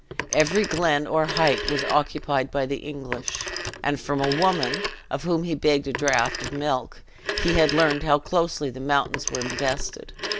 Every glen or height was occupied by the English: and from a woman, of whom he begged a draught of milk, he had learned how closely the mountains were invested.